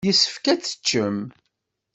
Yessefk ad teččem.